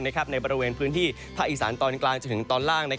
ในบริเวณพื้นที่ภาคอีสานตอนกลางจนถึงตอนล่าง